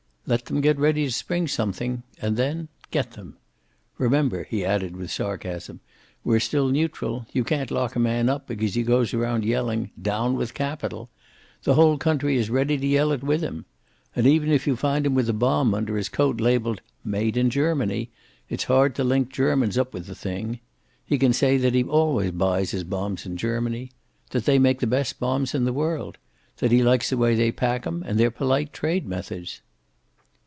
Let them get ready to spring something. And then get them. Remember," he added with sarcasm, "we're still neutral. You can't lock a man up because he goes around yelling 'Down with capital!' The whole country is ready to yell it with him. And, even if you find him with a bomb under his coat, labeled 'made in Germany,' it's hard to link Germans up with the thing. He can say that he always buys his bombs in Germany. That they make the best bombs in the world. That he likes the way they pack 'em, and their polite trade methods."